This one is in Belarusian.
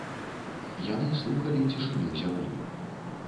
Яны слухалі цішыню зямлі.